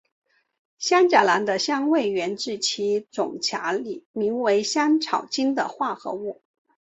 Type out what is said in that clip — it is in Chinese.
香荚兰的香味源自其种荚里名为香草精的化合物。